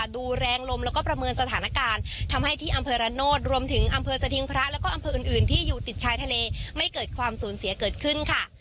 ดูแรงลมแล้วก็ประเมินสถานการณ์ทำให้ที่อำเภอระโนธรวมถึงอำเภอสถิงพระแล้วก็อำเภออื่นอื่นที่อยู่ติดชายทะเลไม่เกิดความสูญเสียเกิดขึ้นค่ะ